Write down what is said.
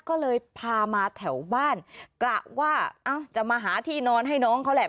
ก็เลยพามาแถวบ้านกะว่าจะมาหาที่นอนให้น้องเขาแหละ